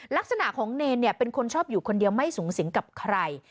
ลักษณะของเนรเป็นคนชอบอยู่คนเดียวไม่สูงสิงกับใคร